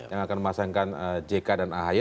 yang akan memasangkan jk dan ahy